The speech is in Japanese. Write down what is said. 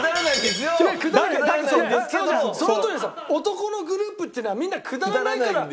男のグループっていうのはみんなくだらないから。